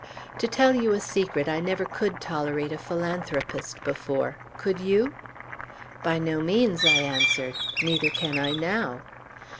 To tell you a secret, I never could tolerate a philanthropist before. Could you?" "By no means," I answered; "neither can I now."